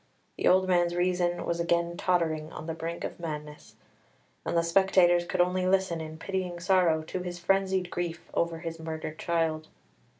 The old man's reason was again tottering on the brink of madness, and the spectators could only listen in pitying sorrow to his frenzied grief over his murdered child.